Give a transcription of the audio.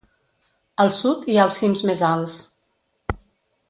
Al sud hi ha els cims més alts.